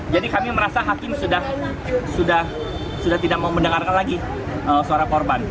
jadi kami merasa hakim sudah tidak mau mendengarkan lagi suara korban